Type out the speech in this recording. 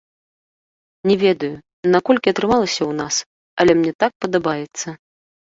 Не ведаю, наколькі атрымалася ў нас, але мне так падабаецца.